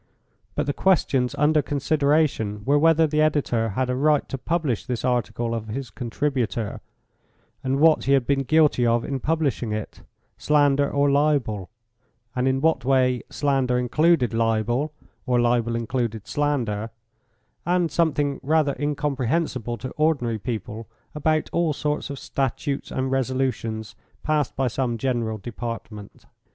But the questions under consideration were whether the editor had a right to publish this article of his contributor, and what he had been guilty of in publishing it: slander or libel, and in what way slander included libel, or libel included slander, and something rather incomprehensible to ordinary people about all sorts of statutes and resolutions passed by some General Department.